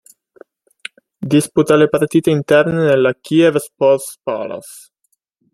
Disputa le partite interne nella Kiev Sports Palace.